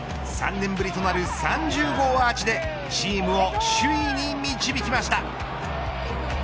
３年ぶりとなる３０号アーチでチームを首位に導きました。